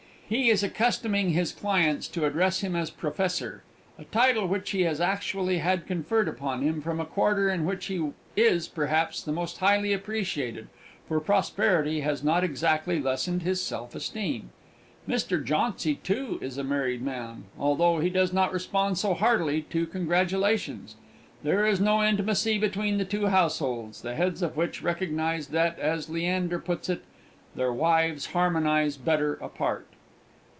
He is accustoming his clients to address him as "Professor" a title which he has actually had conferred upon him from a quarter in which he is, perhaps, the most highly appreciated for prosperity has not exactly lessened his self esteem. Mr. Jauncy, too, is a married man, although he does not respond so heartily to congratulations. There is no intimacy between the two households, the heads of which recognise that, as Leander puts it, "their wives harmonise better apart."